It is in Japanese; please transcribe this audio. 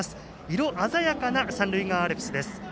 色鮮やかな三塁側アルプスです。